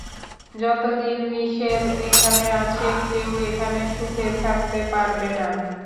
যতদিন মিশেল এখানে আছে, কেউ এখানে সুখে থাকতে পারবে না।